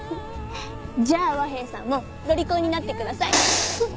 じゃあ和平さんもロリコンになってください。